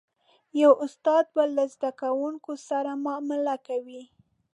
یو استاد به له زده کوونکو سره معامله کوي.